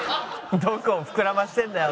どこを膨らませてんだよ